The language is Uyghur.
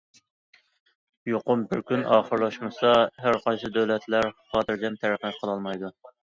يۇقۇم بىر كۈن ئاخىرلاشمىسا، ھەرقايسى دۆلەتلەر خاتىرجەم تەرەققىي قىلالمايدۇ.